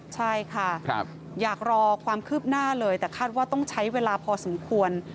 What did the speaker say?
ใช่ค่ะอยากรอความคืบหน้าเลยแต่คาดว่าต้องใช้เวลาพอสมควร